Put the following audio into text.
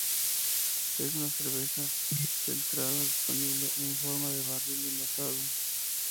Es una cerveza filtrada disponible en forma de barril y envasado.